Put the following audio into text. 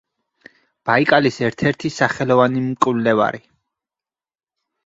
ბაიკალის ერთ-ერთი სახელოვანი მკვლევარი.